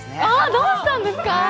どうしたんですか？